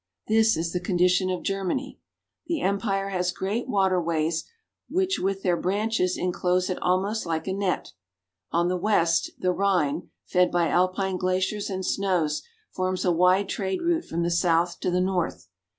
This is the condition of Germany. The empire has great water ways which with their branches inclose it almost like a net. On the west the Rhine, fed by Alpine glaciers and snows, forms a wide trade route from the south to the north.